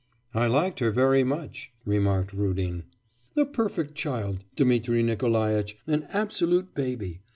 'I liked her very much,' remarked Rudin. 'A perfect child, Dmitri Nikolaitch, an absolute baby.